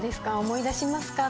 思い出しますか？